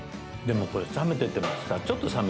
でもこれ冷めててもさ。